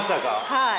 はい。